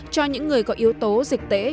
cho những người có yếu tố dịch tễ